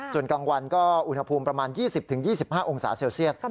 ส่วนกลางวันก็อุณหภูมิประมาณ๒๐๒๕องศาเซลเซียส